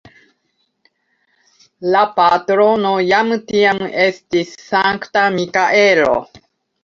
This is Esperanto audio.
La patrono jam tiam estis Sankta Mikaelo.